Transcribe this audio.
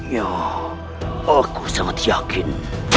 ya aku sangat yakin